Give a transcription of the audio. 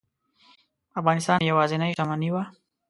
افغانستان مې یوازینۍ شتمني وه.